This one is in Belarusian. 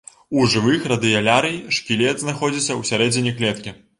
У жывых радыялярый шкілет знаходзіцца ўсярэдзіне клеткі.